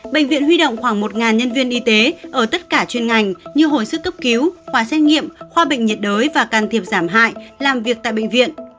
bệnh viện huy động khoảng một nhân viên y tế ở tất cả chuyên ngành như hồi sức cấp cứu khoa xét nghiệm khoa bệnh nhiệt đới và can thiệp giảm hại làm việc tại bệnh viện